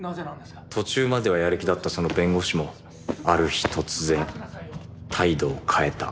途中まではやる気だったその弁護士もある日突然態度を変えた。